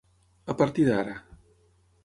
A partir d'ara.